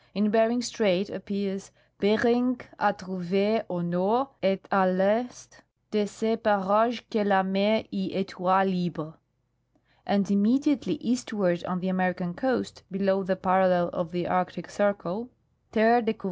In Ber ing strait appears :■' Beering a trouve au N. et a I'E. de ce parage que la Mer y etoit libre," and immediately eastward on the American coast below the parallel of the arctic circle: "Terre decouv.